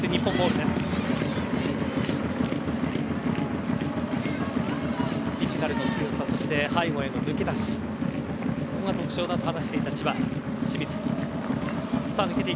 フィジカルの強さ背後への抜け出しそこが特徴だと話していた千葉。